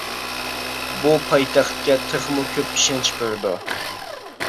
بۇ پايتەختكە تېخىمۇ كۆپ ئىشەنچ بېرىدۇ.